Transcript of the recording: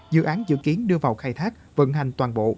dự án dự kiến đưa vào khai thác vận hành toàn bộ